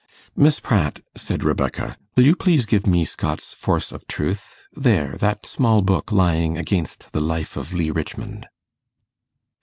'Miss Pratt,' said Rebecca, 'will you please give me Scott's "Force of Truth?" There that small book lying against the "Life of Legh Richmond."